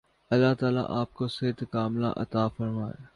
اللہ تعالی آپ کو صحت ِکاملہ عطا فرمائے